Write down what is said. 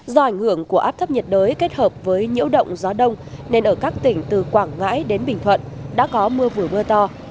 do ảnh hưởng của áp thấp nhiệt đới kết hợp với nhiễu động gió đông nên ở các tỉnh từ quảng ngãi đến bình thuận đã có mưa vừa mưa to